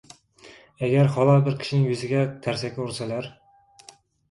Agar halol bir kishining yuziga tarsaki ursalar